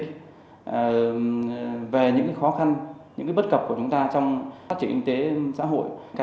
về những khó khăn những bất cập của chúng ta trong phát triển kinh tế xã hội